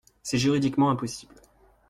C’est juridiquement impossible.